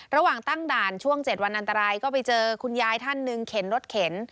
ระหว่างตั้งด่านช่วง๗วันอันตรายก็ไปเจอคุณยายท่านหนึ่งเข็นรถเข็น